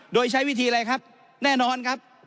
โดยใช้วิธีอะไรครับแน่นอนครับ